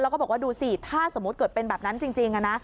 แล้วก็บอกว่าดูสิถ้าสมมุติเกิดเป็นแบบนั้นจริง